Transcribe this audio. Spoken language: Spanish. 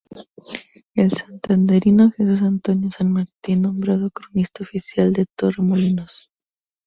El santanderino Jesús Antonio San Martín, nombrado cronista oficial de Torremolinos